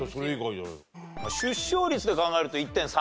出生率で考えると１．３